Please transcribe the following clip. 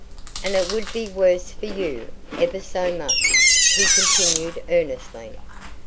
"And it would be worse for you, ever so much," he continued earnestly.